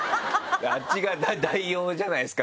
「あっち側代表じゃないですか」